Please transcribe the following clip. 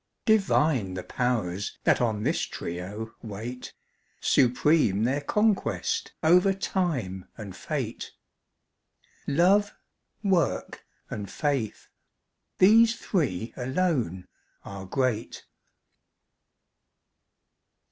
Divine the Powers that on this trio wait. Supreme their conquest, over Time and Fate. Love, Work, and Faith—these three alone are great.